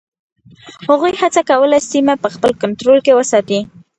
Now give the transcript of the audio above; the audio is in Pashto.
هغوی هڅه کوله سیمه په خپل کنټرول کې وساتي.